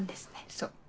そう。